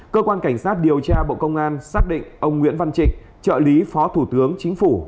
cơ quan cảnh sát điều tra bộ công an xác định ông nguyễn văn trịnh trợ lý phó thủ tướng chính phủ